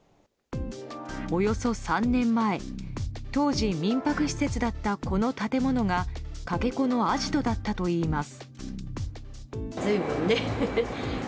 およそ３年前当時、民泊施設だったこの建物がかけ子のアジトだったといいます。